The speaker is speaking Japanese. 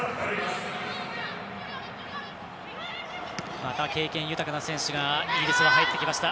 また経験豊かな選手がイギリスは入ってきました。